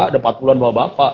udah empat puluh an bapak bapak